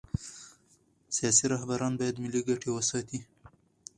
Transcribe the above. سیاسي رهبران باید ملي ګټې وساتي